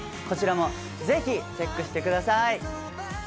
こちらもぜひチェックしてください。